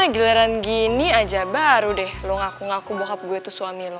giliran gini aja baru deh lo ngaku ngaku bokap gue tuh suami lo